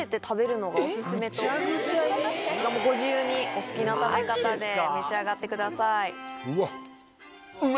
・ぐちゃぐちゃに⁉・ご自由にお好きな食べ方で召し上がってください。